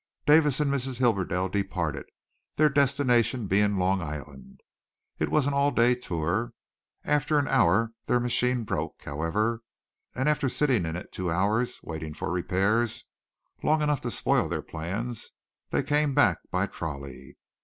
Davis and Mrs. Hibberdell departed, their destination being Long Island. It was an all day tour. After an hour their machine broke, however, and after sitting in it two hours waiting for repairs long enough to spoil their plans they came back by trolley.